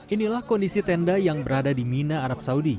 inilah kondisi tenda yang berada di mina arab saudi